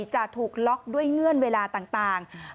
จะถูกล็อกด้วยเงื่อนเวลาต่าง